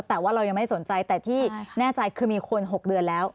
แต่ว่าเรายังไม่สนใจแต่ที่แน่ใจคือมีคน๖เดือนแล้ว